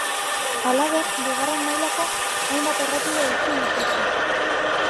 Halaber, bigarren mailako hainbat errepide itxi dituzte.